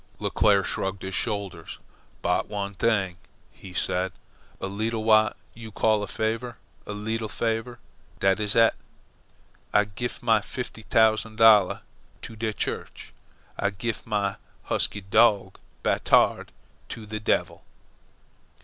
Leclere shrugged his shoulders. "Bot one t'ing," he said; "a leetle, w'at you call, favour a leetle favour, dat is eet. I gif my feefty t'ousan' dollair to de church. I gif my husky dog, Batard, to de devil.